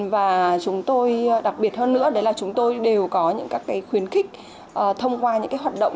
và chúng tôi đặc biệt hơn nữa đấy là chúng tôi đều có những các khuyến khích thông qua những hoạt động